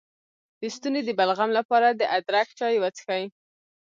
د ستوني د بلغم لپاره د ادرک چای وڅښئ